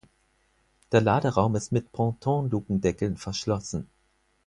Der Laderaum ist mit Pontonlukendeckeln verschlossen.